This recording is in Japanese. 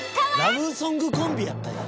ラブソングコンビやったんや。